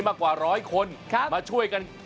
มากกว่าร้อยคนมาช่วยกัน